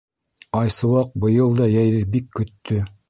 Айсыуаҡ быйыл да йәйҙе бик көттө.